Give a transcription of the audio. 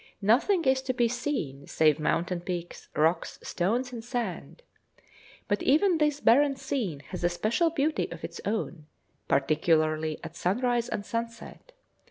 Nothing is to be seen save mountain peaks, rocks, stones, and sand. But even this barren scene has a special beauty of its own, particularly at sunrise and sunset.